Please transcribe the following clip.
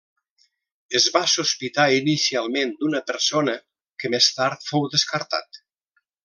Es va sospitar inicialment d'una persona que més tard fou descartat.